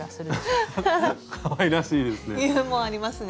かわいらしいですね。